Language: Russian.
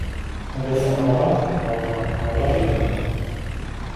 На горе Арарат рвала Варвара виноград.